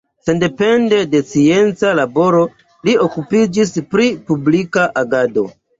Sendepende de scienca laboro li okupiĝis pri publika agado.